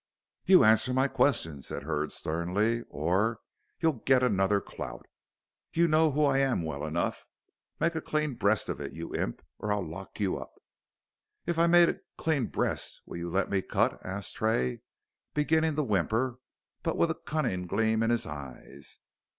"You answer my questions," said Hurd, sternly, "or you'll get another clout. You know who I am well enough. Make a clean breast of it, you imp, or I'll lock you up." "If I make a clean breast will you let me cut?" asked Tray, beginning to whimper, but with a cunning gleam in his eyes.